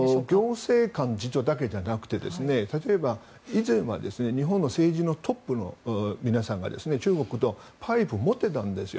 行政官だけじゃなくて例えば以前は日本の政治のトップの皆さんが中国とパイプを持ってたんですよ。